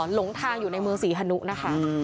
หลงทางอยู่ในเมืองศรีฮนุนะคะ